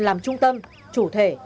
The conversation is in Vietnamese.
làm trung tâm chủ thể